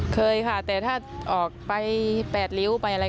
เคยค่ะแต่ถ้าออกไป๘ริ้วไปอะไร